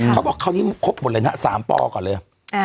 เขาบอกคราวนี้ครบหมดเลยนะ๓ปอก่อนเลย